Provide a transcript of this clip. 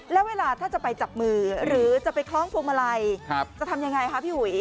แล้วเวลาถ้าจะไปจับมือหรือจะไปคล้องพวงมาลัยจะทำยังไงคะพี่อุ๋ย